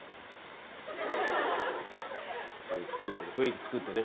雰囲気作ってね雰囲気作ってね。